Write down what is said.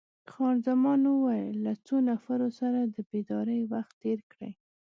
خان زمان وویل: له څو نفرو سره د بېدارۍ وخت تیر کړی؟